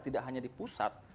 tidak hanya di pusat